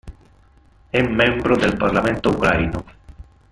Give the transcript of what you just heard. È membro del parlamento ucraino.